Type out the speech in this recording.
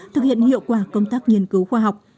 thực hiện hiệu quả công tác nghiên cứu khoa học